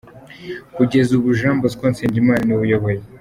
Kugeza ubu, Jean Bosco Nsengimana niwe uyoboye.